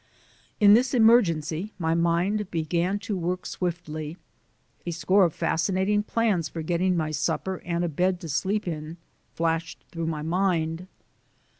In this emergency my mind began to work swiftly. A score of fascinating plans for getting my supper and a bed to sleep in flashed through my mind.